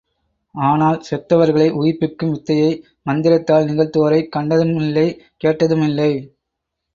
ஆனால், செத்தவர்களை உயிர்ப்பிக்கும் வித்தையை மந்திரத்தால் நிகழ்த்துவோரைக் கண்டதுமில்லை கேட்டதுமில்லை.